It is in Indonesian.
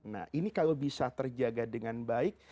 nah ini kalau bisa terjaga dengan baik